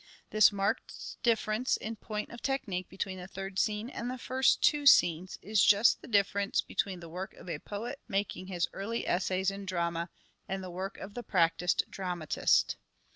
This marked difference in point of technique between Evolution of the third scene and the first two scenes is just the drama difference between the work of a poet making his early essays in drama and the work of the practised dramatist.